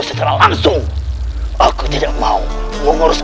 secara langsung aku tidak mau mengurus